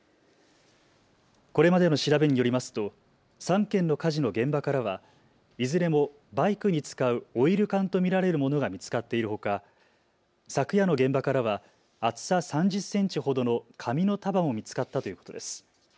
これまでの調べによりますと３件の火事の現場からはいずれもバイクに使うオイル缶と見られるものが見つかっているほか昨夜の現場からは厚さ３０センチほどの紙の束も見つかったということです。